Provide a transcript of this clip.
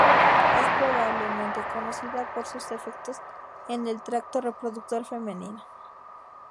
Es probablemente conocida por sus efectos en el tracto reproductor femenino.